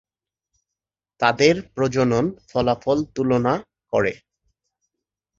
তাদের প্রজনন ফলাফল তুলনা করে।